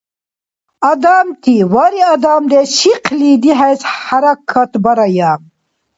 Адамти, вари, адамдеш чихъли дихӀес хӀяракатбарая!